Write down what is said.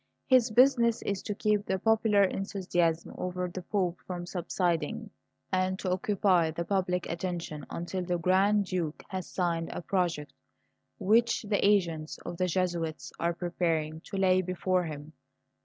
His business is to keep the popular enthusiasm over the Pope from subsiding, and to occupy the public attention until the Grand Duke has signed a project which the agents of the Jesuits are preparing to lay before him.